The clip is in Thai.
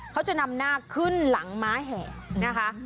เขาจะนำหน้าขึ้นหลังม้าแห่นะคะ